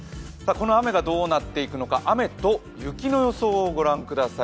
この雨がどうなっていくのか、雨と雪の予想をご覧ください。